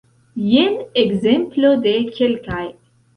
Jen ekzemplo de kelkaj.